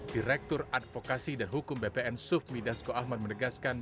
direktur advokasi dan hukum bpn sufmi dasko ahmad menegaskan